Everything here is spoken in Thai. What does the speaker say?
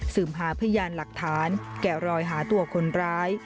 หาพยานหลักฐานแกะรอยหาตัวคนร้าย